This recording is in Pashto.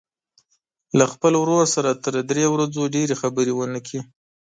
له خپل ورور سره تر درې ورځو ډېرې خبرې ونه کړي.